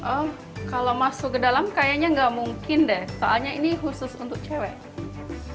oh kalau masuk ke dalam kayaknya nggak mungkin deh soalnya ini khusus untuk cewek